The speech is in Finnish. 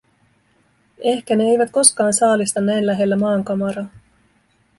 Ehkä ne eivät koskaan saalista näin lähellä maankamaraa.